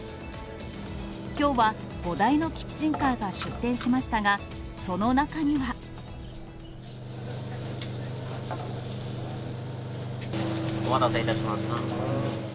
きょうは５台のキッチンカーが出店しましたが、その中には。お待たせいたしました。